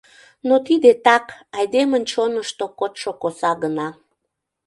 Но тиде так, айдемын чонышто кодшо коса гына.